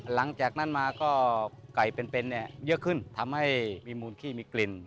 หลังจากนั้นมาก็ไก่เป็นเนี่ยเยอะขึ้นทำให้มีมูลขี้มีกลิ่น